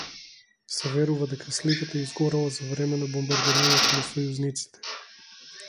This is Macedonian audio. Се верува дека сликата изгорела за време на бомбардирањето на сојузниците.